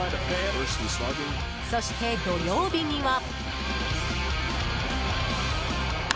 そして、土曜日には。